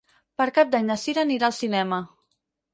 Per Cap d'Any na Sira anirà al cinema.